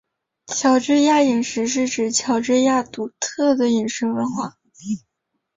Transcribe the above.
乔治亚饮食是指乔治亚独特的饮食文化。